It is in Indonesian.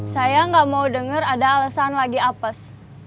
saya gak mau denger ada alesan lagi apes